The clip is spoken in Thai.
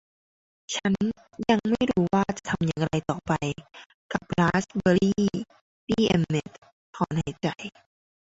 ฉันยังไม่รู้ว่าจะทำอย่างไรต่อไปกับราสเบอร์รี่ปี่เอ็มเม็ตต์ถอนหายใจ